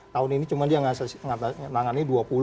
tahun ini cuma dia menangani dua puluh